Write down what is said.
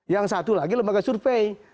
yang satu lagi lembaga survei